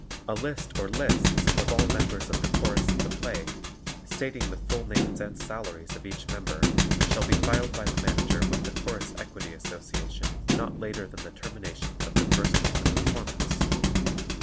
A list or lists of all members of the Chorus of the play, stating the full names and salaries of each member, shall be filed by the Manager with the Chorus Equity Association not later than the termination of the first week of performance.